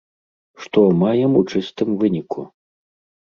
Што маем у чыстым выніку?